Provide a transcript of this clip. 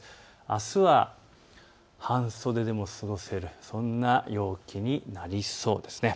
あすは半袖でも過ごせるそんな陽気になりそうですね。